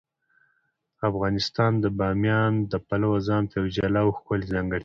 افغانستان د بامیان د پلوه ځانته یوه جلا او ښکلې ځانګړتیا لري.